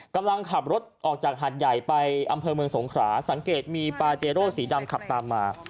กำลังขับรถออกจากหาดใหญ่ไปอำเภอเมืองสงขราสังเกตมีปาเจโร่สีดำขับตามมา